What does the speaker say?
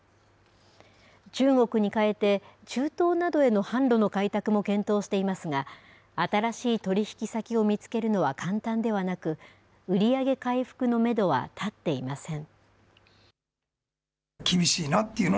中国に替えて中東などへの販路の開拓も検討していますが、新しい取り引き先を見つけるのは簡単ではなく、売り上げ回復のメドは立っていません。